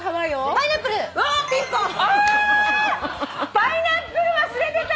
パイナップル忘れてた！